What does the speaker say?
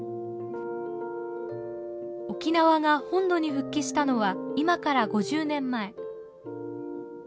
沖縄が本土に復帰したのは今から５０年前。